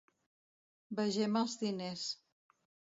Vegem els diners.